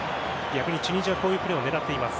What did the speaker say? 逆にチュニジアはこういうプレーを狙っています。